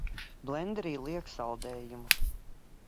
Blenderī liek saldējumu.